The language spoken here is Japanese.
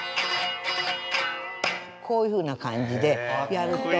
こういうふうな感じでやると。